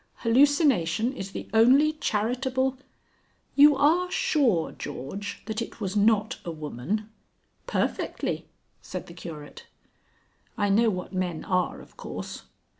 "Hallucination is the only charitable " "You are sure, George, that it was not a woman." "Perfectly," said the Curate. "I know what men are, of course."